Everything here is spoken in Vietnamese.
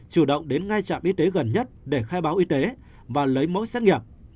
chủ động đến ngay trạm y tế gần nhất để khai báo y tế và lấy mẫu xét nghiệm